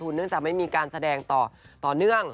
เนื่องจากไม่มีการแสดงต่อเนื่อง